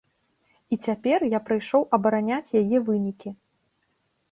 І цяпер я прыйшоў абараняць яе вынікі.